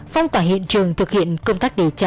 phong tỏa hiện trường thực hiện công tác điều tra